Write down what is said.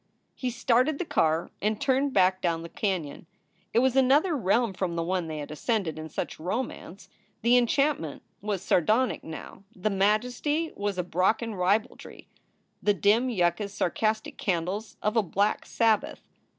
He started the car and turned back down the canon. It was another realm from the one they had ascended in such romance. The enchantment was sardonic now; the majesty was a Brocken ribaldry; the dim yuccas sarcastic candles of a black Sabbath.